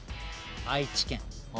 愛知県。